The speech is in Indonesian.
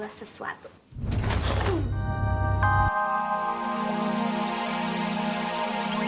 masih gini lagi nur